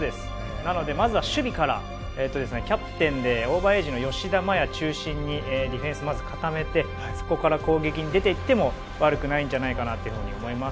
なので、まずは守備からキャプテンでオーバーエイジの吉田麻也中心にディフェンスをまず固めてそこから攻撃に出ていっても悪くないんじゃないかなと思います。